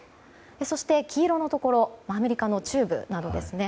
そして、黄色のところアメリカの中部などですね